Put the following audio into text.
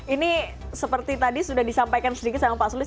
ini seperti tadi sudah disampaikan sedikit sama pak sulis